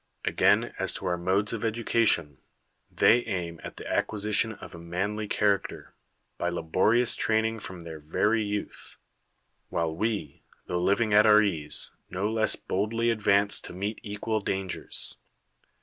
Again, as to our modes of education, tlieij aim at the acquisition of a manly character, by laborious training from their very youth ; while ICC, tho living at our ease, no less boldly advance to meet equal dangers.